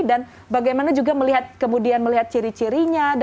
dan bagaimana juga melihat kemudian melihat ciri ciri